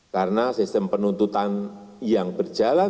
karena sistem penuntutan yang berjalan